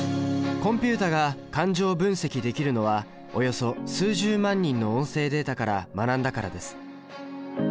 コンピュータが感情分析できるのはおよそ数十万人の音声データから学んだからです。